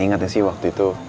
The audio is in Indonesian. ingat ya sih waktu itu